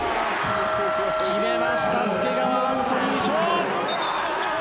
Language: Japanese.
決めました、介川アンソニー翔！